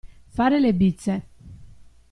Fare le bizze.